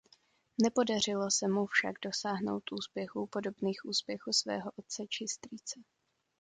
Nepodařilo se mu však dosáhnout úspěchů podobných úspěchu svého otce či strýce.